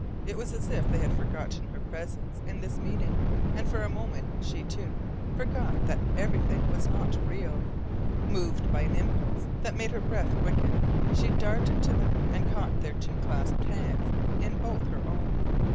It was as if they had forgotten her presence in this meeting, and for a moment she, too, forgot that everything was not real. Moved by an impulse that made her breath quicken, she darted to them and caught their two clasped hands in both her own.